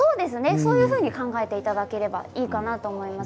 そういうふうに考えていただければいいかなと思います。